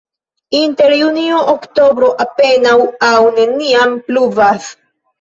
Inter junio-oktobro apenaŭ aŭ neniam pluvas.